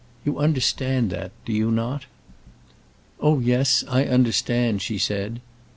You understand that; do you not?" "Oh, yes, I understand," she said.